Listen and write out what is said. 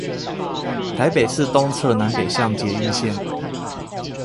台北市東側南北向捷運線